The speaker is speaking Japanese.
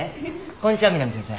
こんにちは南先生。